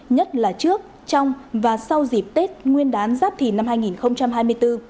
nhất là trước trong và sau dịp tết nguyên đán giáp thìn năm hai nghìn hai mươi bốn